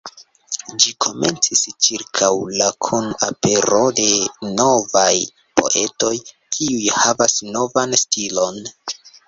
Ĝi komencis ĉirkaŭ la kun apero de novaj poetoj kiuj havas novan stilon.